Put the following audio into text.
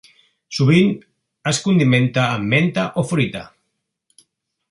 Sovint es condimenta amb menta o fruita.